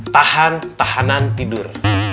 tahan tahanan tidur